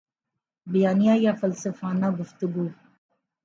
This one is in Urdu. بیانیہ یا فلسفانہ گفتگو